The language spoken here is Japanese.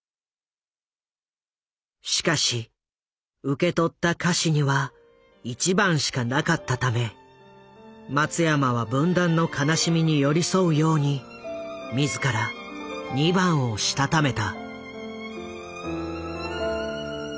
しかし受け取った歌詞には１番しかなかったため松山は分断の悲しみに寄り添うように自ら２番をしたためた。